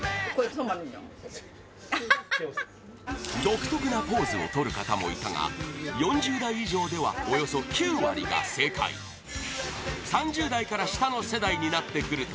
「走るよめッ！」独特なポーズをとる方もいたが４０代以上ではおよそ９割が正解３０代から下の世代になってくると